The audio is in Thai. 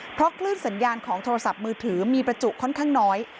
เพราะคลื่นสัญญาณของโทรศัพท์มือถือมีประจุค่อนข้างน้อย